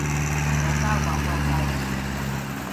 冇交廣告費